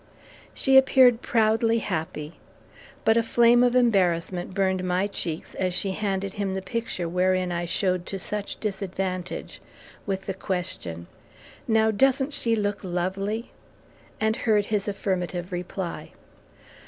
She appeared proudly happy; but a flame of embarrassment burned my cheeks, as she handed him the picture wherein I showed to such disadvantage, with the question, "Now, doesn't she look lovely?" and heard his affirmative reply.